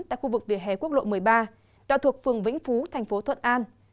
tại khu vực vỉa hè quốc lộ một mươi ba đoạn thuộc phường vĩnh phú thành phố thuận an